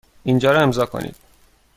اینجا را امضا کنید.